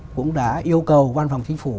cũng đã yêu cầu văn phòng chính phủ